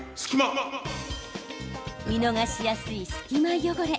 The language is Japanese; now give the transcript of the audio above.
見逃しやすい隙間汚れ。